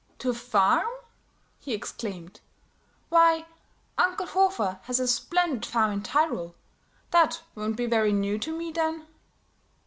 "To a farm!" he exclaimed. "Why, Uncle Hofer has a splendid farm in Tyrol; that won't be very new to me, then."